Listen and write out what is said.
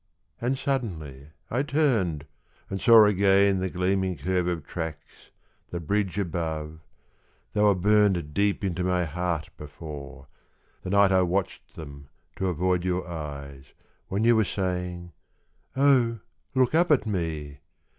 And suddenly I turned and saw again The gleaming curve of tracks, the bridge above They were burned deep into my heart before, The night I watched them to avoid your eyes, When you were saying, "Oh, look up at me!"